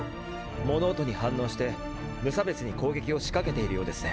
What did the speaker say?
物音に反応して無差別に攻撃を仕掛けているようですね。